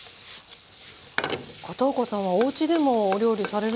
片岡さんはおうちでもお料理されるんですか？